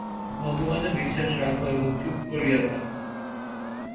ভগবানে বিশ্বাস রাখো এবং চুপ করিয়া থাক।